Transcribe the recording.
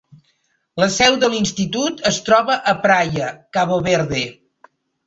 La seu de l'institut es troba a Praia, Cabo Verde.